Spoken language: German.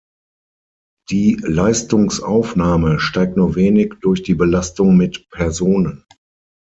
Die Leistungsaufnahme steigt nur wenig durch die Belastung mit Personen.